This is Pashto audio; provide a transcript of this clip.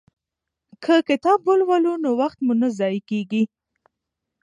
که کتاب ولولو نو وخت مو نه ضایع کیږي.